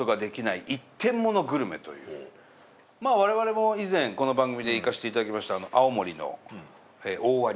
まあわれわれも以前この番組で行かせていただきました。